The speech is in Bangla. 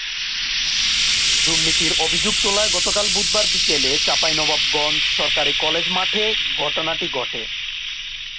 দুর্নীতির অভিযোগ তোলায় গতকাল বুধবার বিকেলে চাঁপাইনবাবগঞ্জ সরকারি কলেজ মাঠে ঘটনাটি ঘটে।